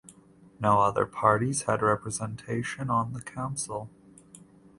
No other parties had representation on the council.